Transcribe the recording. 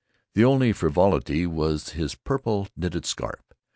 The only frivolity was in his purple knitted scarf.